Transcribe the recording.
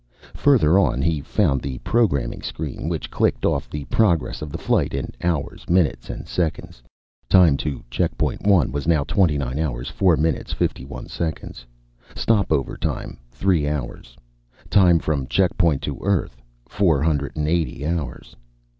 Further on he found the programming screen, which clicked off the progress of the flight in hours, minutes, and seconds. Time to Checkpoint One was now 29 hours, 4 minutes, 51 seconds. Stop over time, three hours. Time from Checkpoint to Earth, 480 hours.